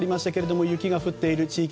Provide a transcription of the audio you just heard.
雪が降っている地域